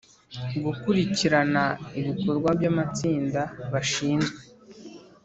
gukurikirana ibikorwa by’amatsinda bashinzwe